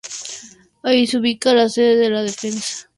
Ahí se ubica la sede de la Defensa Civil de Chile en Rancagua.